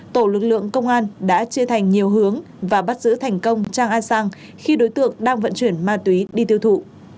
tổ lực lượng công an đã chia thành nhiều hướng và bắt giữ thành công trang a sang khi đối tượng đang vận chuyển ma túy đi tiêu thụ